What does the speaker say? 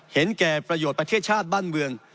เห็นแก่ประโยชน์ประเทศชาติบ้านเมือง